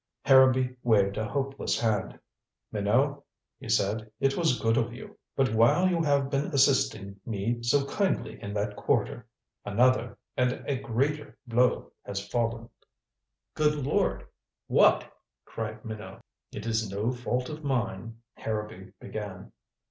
Harrowby waved a hopeless hand. "Minot," he said, "it was good of you. But while you have been assisting me so kindly in that quarter, another and a greater blow has fallen." "Good lord what?" cried Minot. "It is no fault of mine " Harrowby began.